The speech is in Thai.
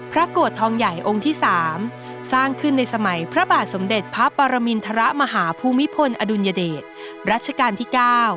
โกรธทองใหญ่องค์ที่๓สร้างขึ้นในสมัยพระบาทสมเด็จพระปรมินทรมาหาภูมิพลอดุลยเดชรัชกาลที่๙